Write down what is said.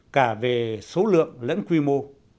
cả về số lượng lẫn quy mô